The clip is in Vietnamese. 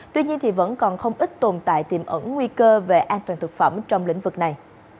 tuy nhiên vẫn còn không ít tồn tại tiềm ẩn nguy cơ về an toàn thực phẩm trong lĩnh vực này